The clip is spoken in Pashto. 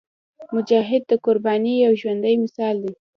مجاهد د قربانۍ یو ژوندی مثال دی.